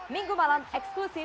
minggu malam eksplosif